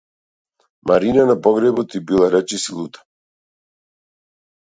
Марина на погребот ѝ била речиси лута.